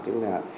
trước đền hạ